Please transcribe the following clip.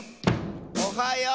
「おはよう！」